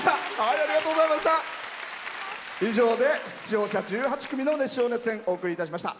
以上で出場者１８組の熱唱・熱演お送りいたしました。